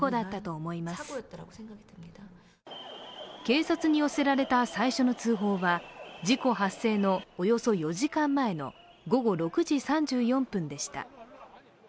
警察に寄せられた最初の通報は事故発生のおよそ４時間前の午後６時３４分でした。